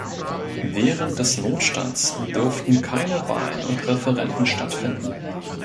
Während des Notstands durften keine Wahlen und Referenden stattfinden.